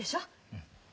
うん。